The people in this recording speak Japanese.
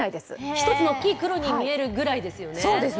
一つの大きい黒に見えるぐらいですよね。